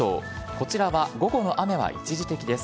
こちらは午後の雨は一時的です。